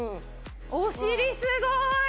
お尻すごい！